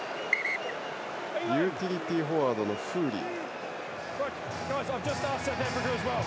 ユーティリティーフォワードのフーリー。